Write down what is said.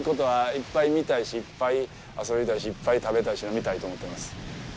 いっぱい見たいし、いっぱい遊びたいし、いっぱい食べたいし飲みたいと思ってます。